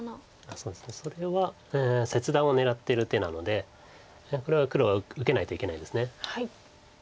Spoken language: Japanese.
そうですねそれは切断を狙ってる手なのでこれは黒は受けないといけないです。